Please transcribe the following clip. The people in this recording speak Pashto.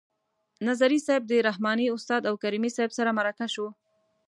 نظري صیب د رحماني استاد او کریمي صیب سره مرکه شو.